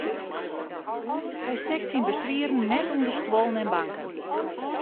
Hy stekt syn beswieren net ûnder stuollen en banken.